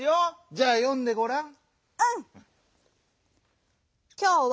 じゃあよんでごらん。